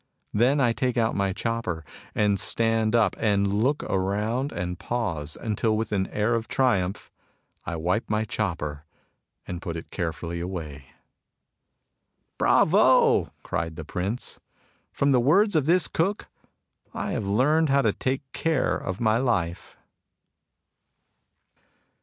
Then I take out my chopper, and stand up, and look around, and pause, until with an air of triumph I wipe my chopper and put it carefully away." " Bravo !'* cried the Prince. " From the words of this cook I have learnt how to take care of my life."